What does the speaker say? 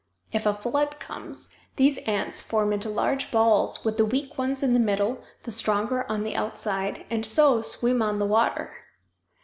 If a flood comes these ants form into large balls with the weak ones in the middle, the stronger on the outside, and so swim on the water.